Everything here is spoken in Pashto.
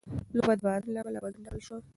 لوبه د باران له امله وځنډول شوه.